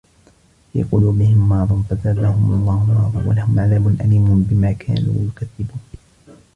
في قلوبهم مرض فزادهم الله مرضا ولهم عذاب أليم بما كانوا يكذبون